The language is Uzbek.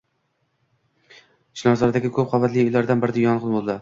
Chilonzordagi ko‘p qavatli uylardan birida yong‘in bo‘ldi